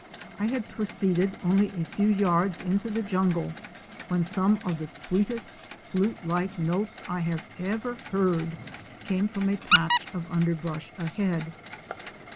I had proceeded only a few yards into the jungle when some of the sweetest flute like notes I have ever heard came from a patch of underbrush ahead.